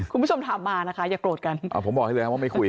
คุณผู้ชมถามมานะคะอย่าโกรธกันอ่าผมบอกให้เลยครับว่าไม่คุย